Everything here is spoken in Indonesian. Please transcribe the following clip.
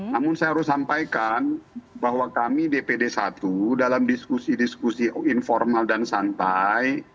namun saya harus sampaikan bahwa kami dpd satu dalam diskusi diskusi informal dan santai